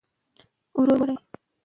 ښوونکي وویل چې اخلاص مهم دی.